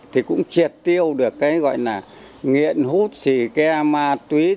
thì cũng triệt tiêu được cái gọi là nghiện hút xì ke ma túy